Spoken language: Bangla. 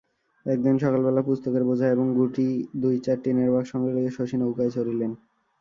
একদিন সকালবেলা পুস্তকের বোঝা এবং গুটিদুইচার টিনের বাক্স সঙ্গে লইয়া শশী নৌকায় চড়িলেন।